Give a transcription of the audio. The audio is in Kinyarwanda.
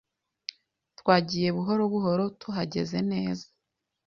Twagiye buhoro buhoro duhagaze neza